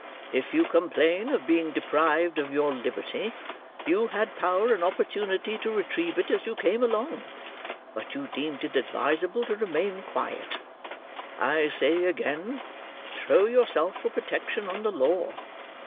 If you complain of being deprived of your liberty—you had power and opportunity to retrieve it as you came along, but you deemed it advisable to remain quiet—I say again, throw yourself for protection on the law.